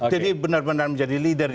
jadi benar benar menjadi lidah